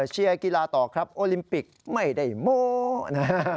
เชียร์กีฬาต่อครับโอลิมปิกไม่ได้โม้นะฮะ